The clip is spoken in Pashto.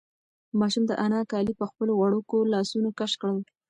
ماشوم د انا کالي په خپلو وړوکو لاسونو کش کړل.